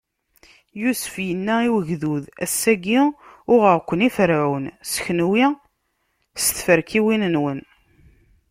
Yusef inna i ugdud: Ass-agi, uɣeɣ-ken i Ferɛun, s kenwi, s tferkiwin-nwen.